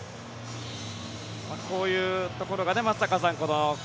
こういうところが松坂さん